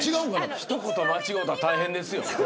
一言間違えたら大変ですよ。